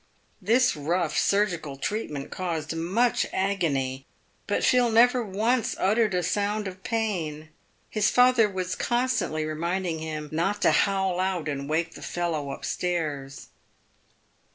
This rough surgical treatment caused much agony, but Phil never once uttered a sound of pain. His father was constantly reminding him " not to howl out and wake the fellow up stairs."